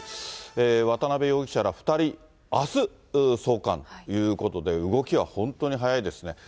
渡辺容疑者ら２人、あす送還ということで、動きは本当に早いですね。